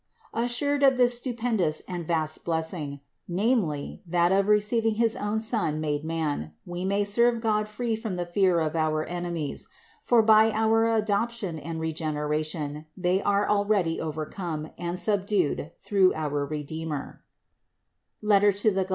Assured of this stupendous and vast blessing, namely that of receiv ing his own Son made man, we may serve God free from the fear of our enemies ; for by our adoption and regen eration they are already overcome and subdued through our Redeemer (Gal.